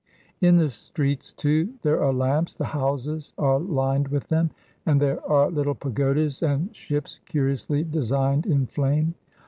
In the streets, too, there are lamps the houses are lined with them and there are little pagodas and ships curiously designed in flame.